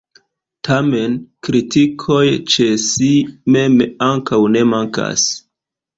Tamen kritikoj ĉe si mem ankaŭ ne mankas.